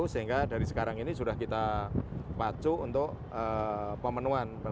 sehingga dari sekarang ini sudah kita pacu untuk pemenuhan